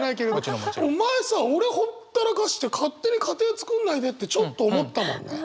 お前さ俺ほったらかして勝手に家庭作んないでってちょっと思ったもんね。